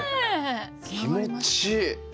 気持ちいい！